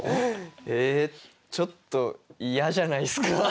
ええちょっと嫌じゃないっすか？